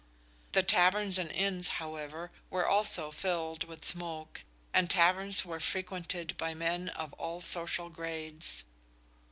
The taverns and inns, however, were also filled with smoke, and taverns were frequented by men of all social grades.